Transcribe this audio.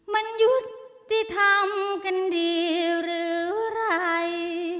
มันยุติทำกันดีหรือไร